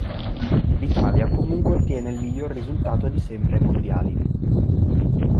L'Italia comunque ottiene il miglior risultato di sempre ai mondiali.